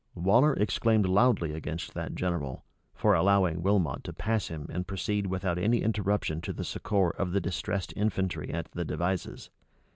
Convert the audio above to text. Waller exclaimed loudly against that general, for allowing Wilmot to pass him, and proceed without any interruption to the succor of the distressed infantry at the Devizes.